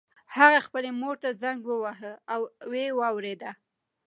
هغه خپلې مور ته زنګ وواهه او ويې واورېده.